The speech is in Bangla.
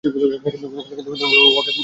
কিন্তু উহাকে বাড়ি হইতে বাহির করিয়া দেও।